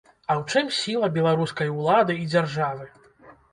А ў чым сіла беларускай улады і дзяржавы?